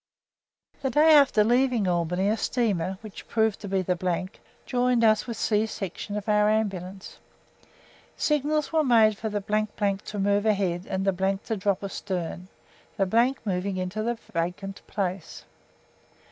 The day after leaving Albany a steamer, which proved to be the , joined us with C Section of our Ambulance. Signals were made for the to move ahead and the to drop astern, the moving into the vacant place.